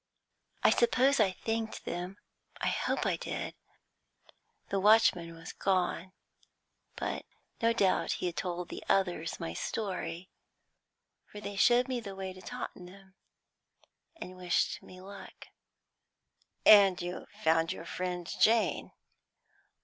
I suppose I thanked them, I hope I did; the watchman was gone, but no doubt he had told the others my story, for they showed me the way to Tottenham, and wished me luck." "And you found your friend Jane!"